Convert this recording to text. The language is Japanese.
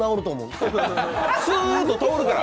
すーっと通るから？